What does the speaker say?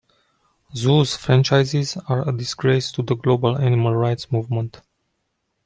Zoos franchises are a disgrace to the global animal rights movement.